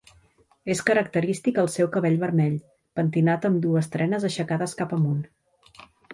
És característic el seu cabell vermell, pentinat amb dues trenes aixecades cap amunt.